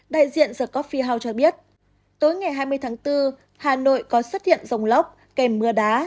đại diện the coffee house cho biết tối ngày hai mươi tháng bốn hà nội có xuất hiện rồng lóc kèm mưa đá